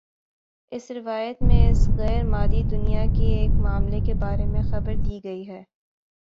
اس روایت میں اس غیر مادی دنیا کے ایک معاملے کے بارے میں خبردی گئی ہے